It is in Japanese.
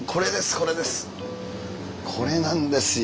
これなんですよ。